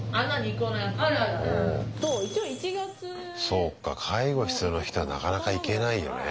そうか介護必要な人はなかなか行けないよね